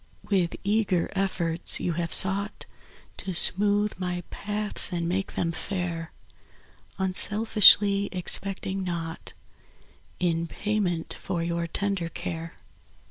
% W ITH eager efforts you Have sougkt To smootk my paths and make them fair, Unselfiskly expect 5 mg naugkt In payment for your tender care.